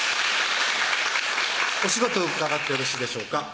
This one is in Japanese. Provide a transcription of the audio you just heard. お仕事伺ってよろしいでしょうか